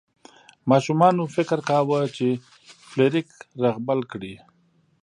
ماشومان فکر کاوه چې فلیریک رغبل کړي.